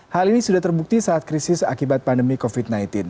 hal ini sudah terbukti saat krisis akibat pandemi covid sembilan belas